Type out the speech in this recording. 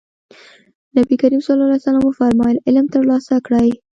نبي کريم ص وفرمايل علم ترلاسه کړئ.